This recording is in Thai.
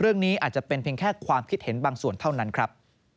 เรื่องนี้อาจจะเป็นเพียงแค่ความคิดเห็นบางส่วนเท่านั้นครับ